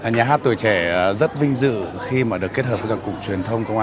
nhà hát tuổi trẻ rất vinh dự khi mà được kết hợp với các cục truyền thông công an